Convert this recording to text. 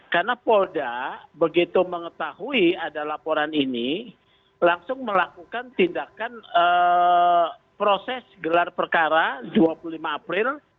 karena polda begitu mengetahui ada laporan ini langsung melakukan tindakan proses gelar perkara dua puluh lima april